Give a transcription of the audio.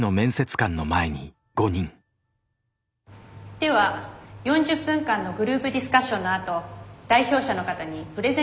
では４０分間のグループディスカッションのあと代表者の方にプレゼンをして頂きます。